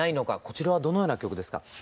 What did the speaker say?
こちらはどのような曲ですか？